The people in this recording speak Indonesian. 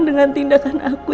dengan tindakan aku